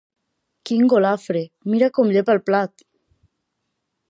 Quin golafre: mira com llepa el plat!